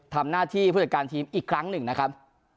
ทำหน้าที่ผู้จัดการทีมอีกครั้งหนึ่งนะครับ